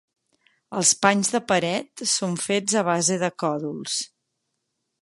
Els panys de paret són fets a base de còdols.